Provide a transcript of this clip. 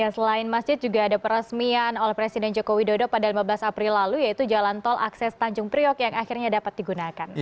selain masjid juga ada peresmian oleh presiden joko widodo pada lima belas april lalu yaitu jalan tol akses tanjung priok yang akhirnya dapat digunakan